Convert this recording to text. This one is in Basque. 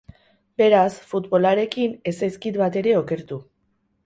Beraz, futbolarekin ez zaizkit batere okertu.